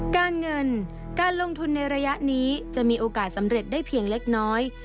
การเงินการลงทุนในระยะนี้จะมีโอกาสสำเร็จได้เพียงเล็กน้อย